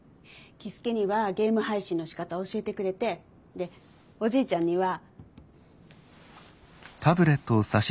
樹介にはゲーム配信のしかた教えてくれてでおじいちゃんには。